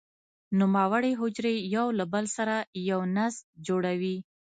نوموړې حجرې یو له بل سره یو نسج جوړوي.